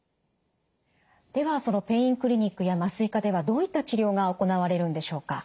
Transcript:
ではそのペインクリニックや麻酔科ではどういった治療が行われるんでしょうか。